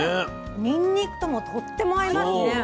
にんにくともとっても合いますね。